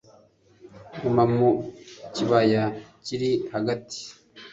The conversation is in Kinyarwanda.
guma mu kibaya kiri hagati